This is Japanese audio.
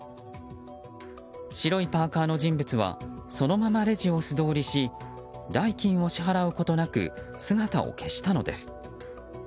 白いパーカの人物はそのままレジを素通りし代金を支払うことなく姿を消したのです。